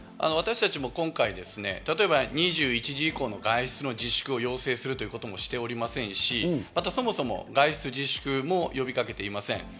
私たちも今回、例えば２１時以降の外出の自粛を要請することもしておりませんし、そもそも外出自粛も呼びかけていません。